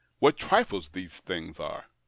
What trifles these things are !